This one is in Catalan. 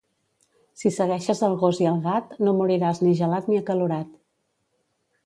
Si segueixes al gos i al gat, no moriràs ni gelat ni acalorat.